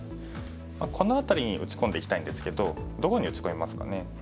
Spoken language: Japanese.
この辺りに打ち込んでいきたいんですけどどこに打ち込みますかね。